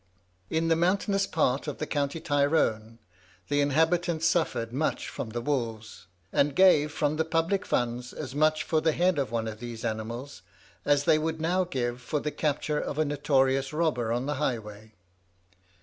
In the mountainous parts of the county Tyrone, the inhabitants suffered much from the wolves, and gave from the public fund as much for the head of one of these animals, as they would now give for the capture of a notorious robber on the highway.